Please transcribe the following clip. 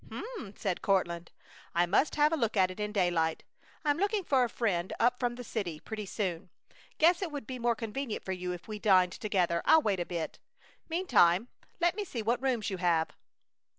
"H'm!" said Courtland. "I must have a look at it in daylight. I'm looking for a friend up from the city pretty soon. Guess it would be more convenient for you if we dined together. I'll wait a bit. Meantime, let me see what rooms you have."